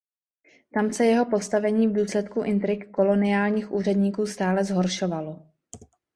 Tam se jeho postavení v důsledku intrik koloniálních úředníků stále zhoršovalo.